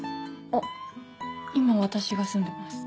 あっ今私が住んでます。